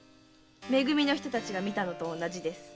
め組の人たちが見たのと同じです。